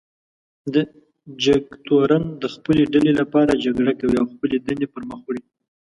جګتورن د خپلې ډلې لپاره جګړه کوي او خپلې دندې پر مخ وړي.